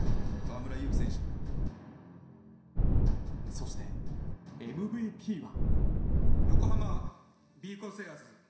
そして、ＭＶＰは。